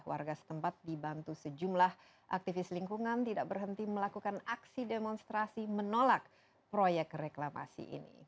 warga setempat dibantu sejumlah aktivis lingkungan tidak berhenti melakukan aksi demonstrasi menolak proyek reklamasi ini